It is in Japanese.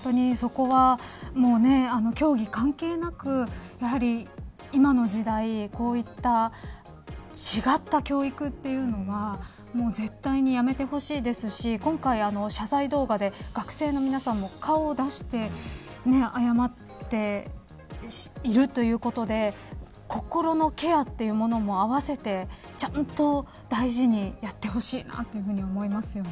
本当に、そこは競技関係なく今の時代、こういった違った教育というのがもう絶対に、やめてほしいですし今回謝罪動画で学生の皆さんも顔を出して謝っているということで心のケアというものも併せてちゃんと大事にやってほしいなと思います。